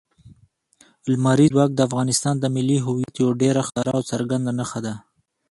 لمریز ځواک د افغانستان د ملي هویت یوه ډېره ښکاره او څرګنده نښه ده.